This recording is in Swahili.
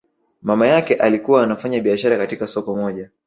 Mama yake alikuwa anafanya biashara katika soko moja